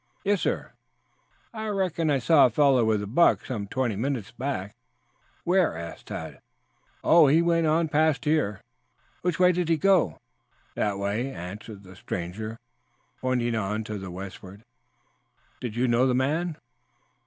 "Yes, sir." "I reckon I saw a fellow with a buck some twenty minutes back." "Where?" "Oh, he went on past here." "Which way did he go?" "That way," answered the stranger, pointing on to the westward. "Did you know the man?"